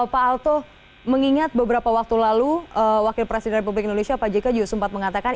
pak alto mengingat beberapa waktu lalu wakil presiden republik indonesia pak jk juga sempat mengatakan